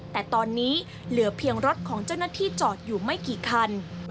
แต่ตอนนี้เหลือเพียงรถของเจ้าหน้าที่จอดอยู่ไม่กี่คัน